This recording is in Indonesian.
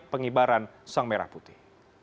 pengibaran sang merah putih